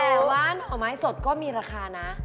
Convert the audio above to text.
แต่ว่าหน่อไม้สดก็มีราคานะ